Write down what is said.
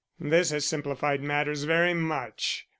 This has simplified matters very much.